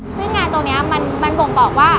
ซึ่งงานตรงนี้มันบ่งบอกว่า